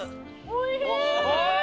おいしい。